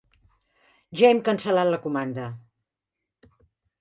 Ja hem cancel·lat la comanda.